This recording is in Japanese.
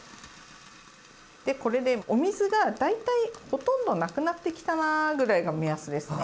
でこれでお水が大体ほとんどなくなってきたなぐらいが目安ですね。